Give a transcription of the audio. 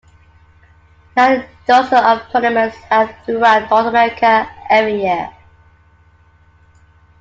There are dozens of tournaments held throughout North America every year.